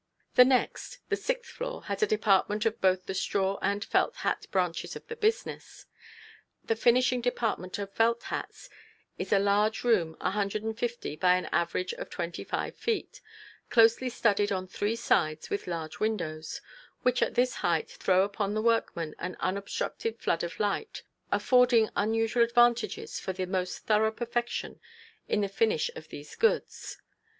] The next, the sixth floor, has a department of both the straw and felt hat branches of the business. The finishing department of felt hats is a large room 150 by an average of 25 feet, closely studded on three sides with large windows, which at this height throw upon the workmen an unobstructed flood of light, affording unusual advantages for the most thorough perfection in the finish of these goods.